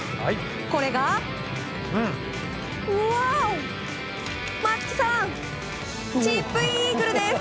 これがチップインイーグルです！